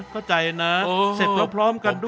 เข้าใจนะเสร็จพร้อมกันด้วย